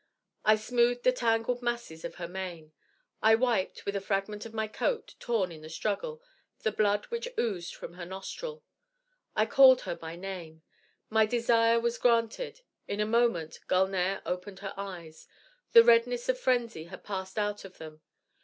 I smoothed the tangled masses of her mane. I wiped, with a fragment of my coat, torn in the struggle, the blood which oozed from her nostril. I called her by name. My desire was granted. In a moment Gulnare opened her eyes. The redness of frenzy had passed out of them.